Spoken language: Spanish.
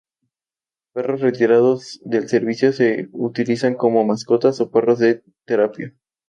Perros retirados del servicio se utilizan como mascotas o perros de terapia.